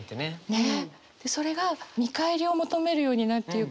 ねえ。